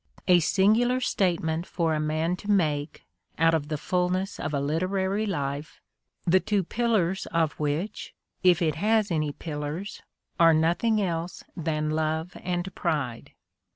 A singular statement for a man to make out of the fullness of a literary life, the two pillars of which, if it has any pillars, are noth ing else than love and pride!